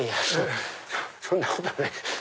そんなことはないです